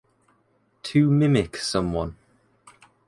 To mimic someone.